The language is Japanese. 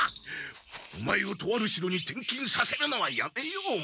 オマエをとある城に転勤させるのはやめよう！